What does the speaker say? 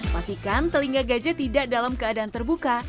pastikan telinga gajah tidak dalam keadaan terbuka